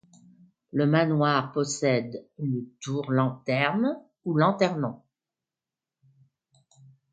Le manoir possède une tour lanterne ou lanternon.